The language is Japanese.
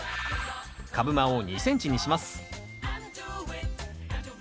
株間を２ｃｍにします